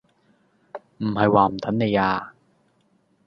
唔係話唔等你啊